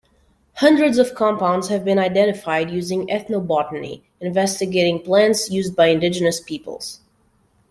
Hundreds of compounds have been identified using ethnobotany, investigating plants used by indigenous peoples.